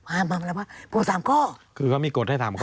ห้ามอะไรวะขอสามข้อเขามีกฏให้สามข้อ